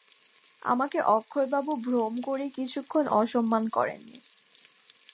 আমাকে অক্ষয়বাবু ভ্রম করে কিছুমাত্র অসম্মান করেন নি।